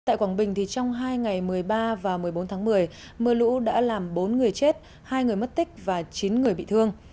tại quảng bình trong hai ngày một mươi ba và một mươi bốn tháng một mươi mưa lũ đã làm bốn người chết hai người mất tích và chín người bị thương